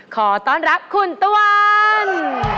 ขอต้อนรับคุณตะวัน